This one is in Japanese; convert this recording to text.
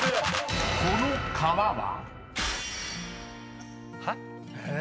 ［この川は？］